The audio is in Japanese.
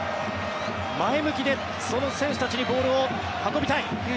前向きでその選手たちにボールを運びたい。